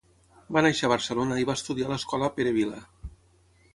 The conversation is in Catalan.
Va néixer a Barcelona i va estudiar a l'escola Pere Vila.